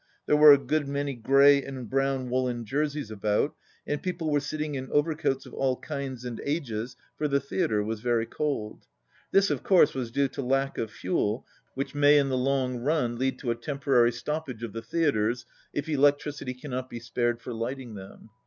There were a good many grey and brown woollen jerseys about, and people were sitting in overcoats of all kinds and ages, for the theatre was very cold. (This, of course, was due to lack of fuel, which may in the long run lead to a temporary stoppage of the theatres if electricity cannot be spared for lighting them.)